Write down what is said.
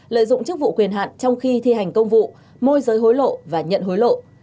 lợi dụng chức vụ quyền hạn trong khi thi hành công vụ môi giới hối lộ và nhận hối lộ